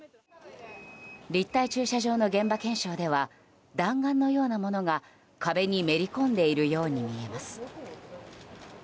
立体駐車場の現場検証では弾丸のようなものが壁にめり込んでいるように見えます。